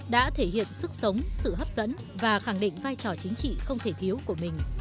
đã thể hiện sức sống sự hấp dẫn và khẳng định vai trò chính trị không thể thiếu của mình